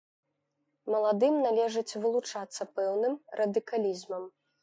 Маладым належыць вылучацца пэўным радыкалізмам.